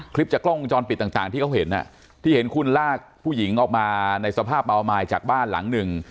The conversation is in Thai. จากกล้องวงจรปิดต่างที่เขาเห็นที่เห็นคุณลากผู้หญิงออกมาในสภาพเมาไม้จากบ้านหลังหนึ่ง